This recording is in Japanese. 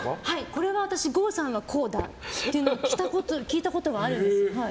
これは私郷さんはこうだっていうのを聞いたことがあるんです。